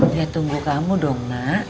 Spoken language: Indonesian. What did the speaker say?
dia tunggu kamu dong nak